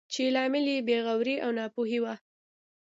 چې لامل یې بې غوري او ناپوهي وه.